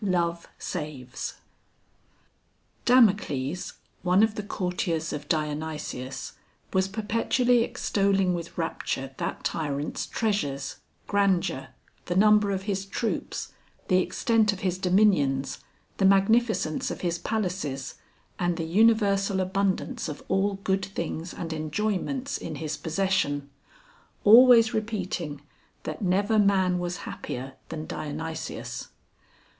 THE MAN CUMMINS Damocles, one of the courtiers of Dionysius, was perpetually extolling with rapture that tyrant's treasures, grandeur, the number of his troops, the extent of his dominions, the magnificence of his palaces, and the universal abundance of all good things and enjoyments in his possession; always repeating, that never man was happier than Dionysius.